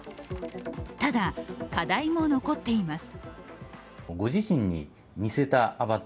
ただ、課題も残っています。